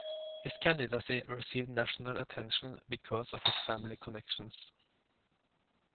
His candidacy received national attention because of his family connections.